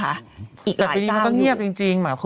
แต่ปีนี้มันก็เงียบจริง